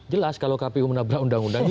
jelas kalau kpu menabrak undang undang itu